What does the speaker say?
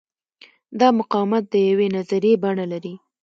دا مقاومت د یوې نظریې بڼه لري.